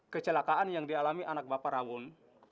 kecelakaan yang dialami anak bapak rabun